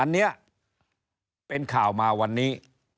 อันนี้เป็นข่าวมาวันนี้